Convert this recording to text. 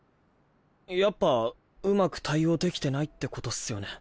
やっぱうまく対応できてないってことっすよね。